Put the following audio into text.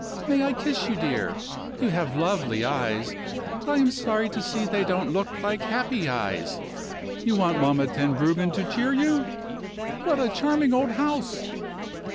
May I kiss you, dear? You have lovely eyes; but I am sorry to see that they don't look like happy eyes. You want Mamma Tenbruggen to cheer you. What a charming old house!"